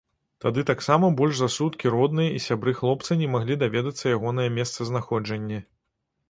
Тады таксама больш за суткі родныя і сябры хлопца не маглі даведацца ягонае месцазнаходжанне.